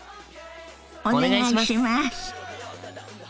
お願いします！